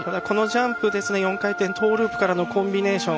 ４回転トーループからのコンビネーション。